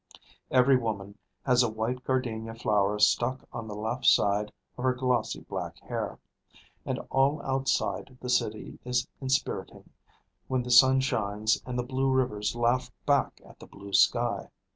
Every woman has a white gardenia flower stuck on the left side of her glossy black hair. And all outside the city is inspiriting, when the sun shines and the blue rivers laugh back at the blue sky.